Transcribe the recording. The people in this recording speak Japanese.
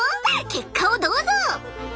結果をどうぞ！